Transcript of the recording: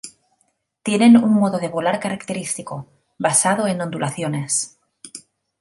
Tienen un modo de volar característico, basado en ondulaciones.